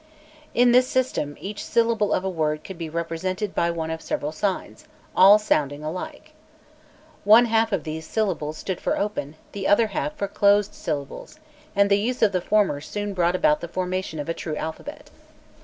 In this system, each syllable of a word could be represented by one of several signs, all sounding alike. One half of these "syllables" stood for open, the other half for closed syllables, and the use of the former soon brought about the formation of a true alphabet.